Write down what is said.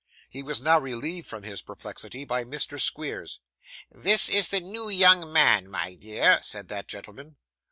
He was now relieved from his perplexity by Mr. Squeers. 'This is the new young man, my dear,' said that gentleman.